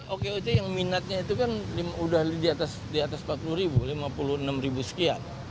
okoc yang minatnya itu kan udah di atas empat puluh ribu lima puluh enam ribu sekian